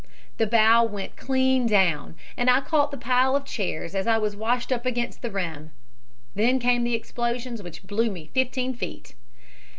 "The bow went clean down, and I caught the pile of chairs as I was washed up against the rim. Then came the explosions which blew me fifteen feet.